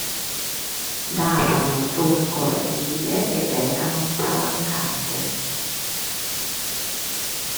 Davano sul cortile ed erano spalancate.